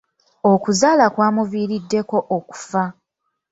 Okuzaala kwamuviiriddeko okufa.